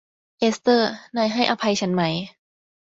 เอสเตอร์ นายให้อภัยฉันไหม